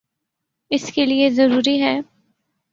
اس کے لئیے ضروری ہے